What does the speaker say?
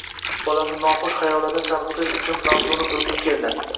Bolani noxush xayollardan chalg`itish uchun mavzuni burgim keldi